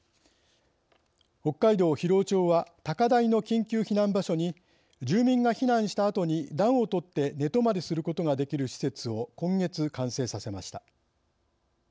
北海道広尾町は高台の緊急避難場所に住民が避難したあとに暖をとって寝泊まりすることができる施設を今月完成させました。